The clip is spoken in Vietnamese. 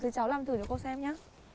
thì cháu làm thử cho cô xem nhá